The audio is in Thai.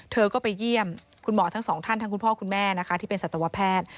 เธอก็ไปเยี่ยมคุณหมอทั้งสองท่านทั้งคุณพ่อคุณแม่นะคะที่เป็นสัตวแพทย์